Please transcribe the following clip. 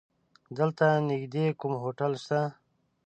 دلته نيږدې کوم هوټل شته؟